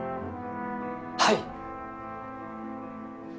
はい！